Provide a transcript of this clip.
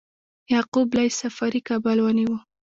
یعقوب لیث صفاري کابل ونیو